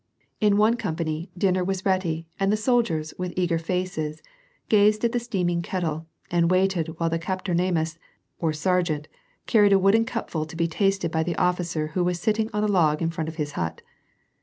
In one company, dinner was ready and the soldiers with eager faces gazed at the steaming kettle and waited while the Kapfenarmus or sergeant carried a wooden cupful to bo tasted by the officer who was sitting on a log in front of his hut.